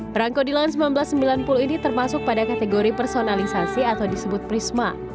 perangko dilan seribu sembilan ratus sembilan puluh ini termasuk pada kategori personalisasi atau disebut prisma